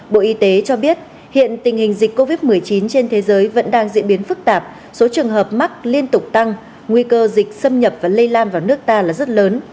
bộ y tế cho biết hiện tình hình dịch covid một mươi chín trên thế giới vẫn đang diễn biến phức tạp số trường hợp mắc liên tục tăng nguy cơ dịch xâm nhập và lây lan vào nước ta là rất lớn